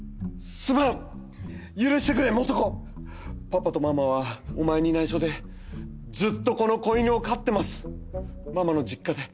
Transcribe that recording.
パパとママはお前に内緒でずっとこの子犬を飼ってますママの実家で。